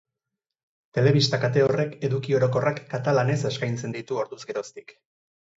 Telebista kate horrek eduki orokorrak katalanez eskaintzen ditu orduz geroztik.